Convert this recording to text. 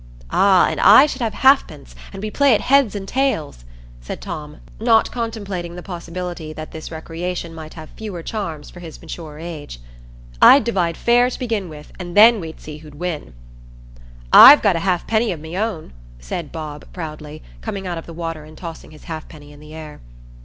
"Ah, and I should have halfpence, and we'd play at heads and tails," said Tom, not contemplating the possibility that this recreation might have fewer charms for his mature age. "I'd divide fair to begin with, and then we'd see who'd win." "I've got a halfpenny o' my own," said Bob, proudly, coming out of the water and tossing his halfpenny in the air.